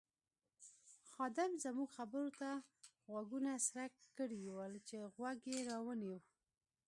خادم زموږ خبرو ته غوږونه څرک کړي ول چې غوږ یې را ونیو.